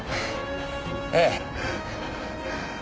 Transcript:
ええ。